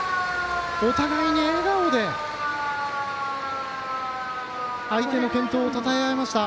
お互いに笑顔で相手の健闘をたたえあいました。